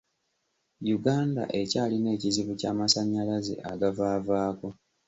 Uganda ekyalina ekizibu ky'amannyalaze agavaavaako.